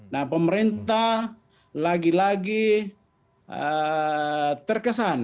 nah pemerintah lagi lagi terkesan